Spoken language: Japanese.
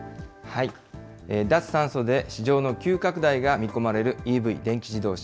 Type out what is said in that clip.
脱炭素で市場の急拡大が見込まれるＥＶ・電気自動車。